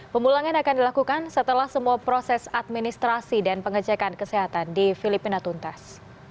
pemulangan akan dilakukan setelah semua proses administrasi dan pengecekan kesehatan di filipina tuntas